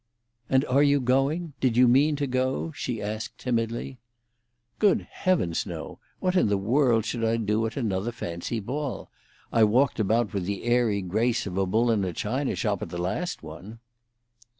"And are you going—did you mean to go?" she asked timidly. "Good heavens, no! What in the world should I do at another fancy ball? I walked about with the airy grace of a bull in a china shop at the last one."